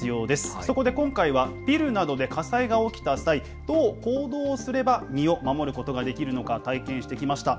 そこで今回はビルなどで火災が起きた際、どう行動すれば身を守ることができるのか体験してきました。